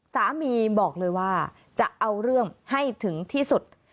สามีบอกเลยว่าจะเอาเรื่องให้ถึงที่สุด